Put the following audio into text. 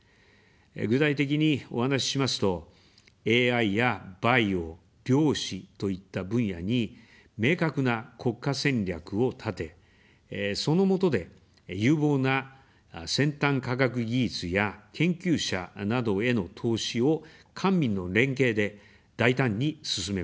具体的にお話ししますと、ＡＩやバイオ、量子といった分野に明確な国家戦略を立て、そのもとで、有望な先端科学技術や研究者などへの投資を官民の連携で大胆に進めます。